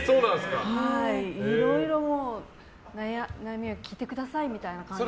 いろいろ、悩みを聞いてくださいみたいな感じで。